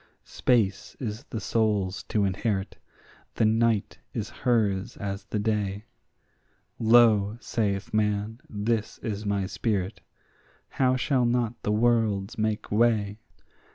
Space is the soul's to inherit; the night is hers as the day; Lo, saith man, this is my spirit; how shall not the worlds make way?